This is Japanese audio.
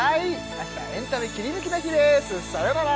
明日はエンタメキリヌキの日ですさよなら